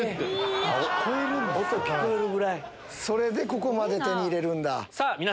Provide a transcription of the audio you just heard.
それでここまで手に入れるんだ。